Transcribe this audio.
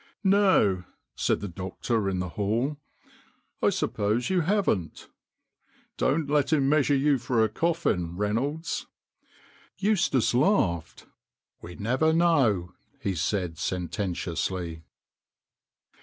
"No," said the doctor in the hall, "I suppose you haven't. Don't let him measure you for a coffin, Reynolds !" Eustace laughed. " We never know," he said sententiously.